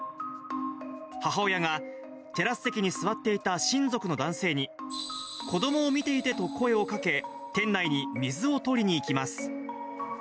母親がテラス席に座っていた親族の男性に、子どもを見ていてと声をかけ、店内に水を取りに行きます。